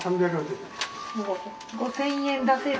５，０００円出せる？